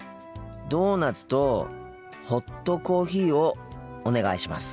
ドーナツとホットコーヒーをお願いします。